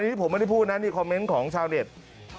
นี่ผมไม่ได้พูดนะนี่คอมเม้นต์ของชาวเดชน์